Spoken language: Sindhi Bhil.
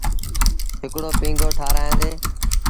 هڪڙو پيٚنگو ٺآرآيآندي۔